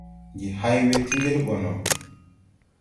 Ndi hay we tii ŋgel ɓɔ no...